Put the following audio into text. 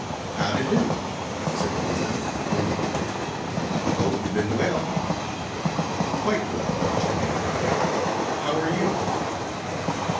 "Howdy do?" said the newcomer amiably. "Hope you've been well." "Quite well," returned the colonel, "how are you?"